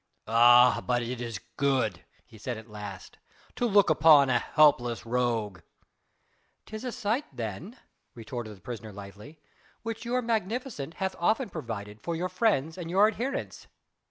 "Ah! but it is good," he said at last, "to look upon a helpless rogue." "'Tis a sight then," retorted the prisoner lightly, "which your Magnificence hath often provided for your friends and your adherents."